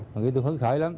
mà nghĩ tôi phấn khởi lắm